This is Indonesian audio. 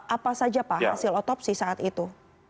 apa saja pak hasil otopsi saat itu